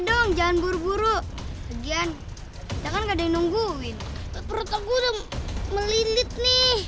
dong jangan buru buru bagian jangan nungguin perut aku melilit nih